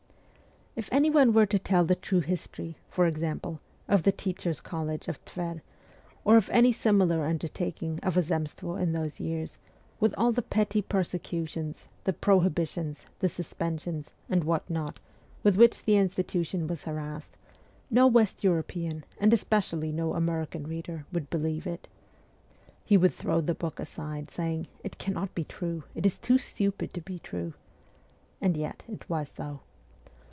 If anyone were to tell the true history, for example, of the teachers' college of Tver, or of any similar undertaking of a Zemstvo in those years, with all the petty persecutions, the prohibitions, the suspensions, and what not with which the institution was harassed, no West European, and especially no American reader, would believe it. He would throw the book aside, saying, ' It cannot be true ; it is too stupid to be true.' And yet it was so.